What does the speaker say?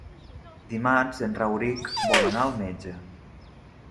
Dimarts en Rauric vol anar al metge.